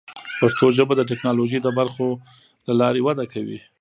پښتو ژبه د ټکنالوژۍ د برخو له لارې وده کوي.